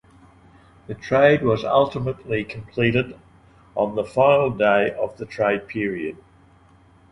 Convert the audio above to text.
The trade was ultimately completed on the final day of the trade period.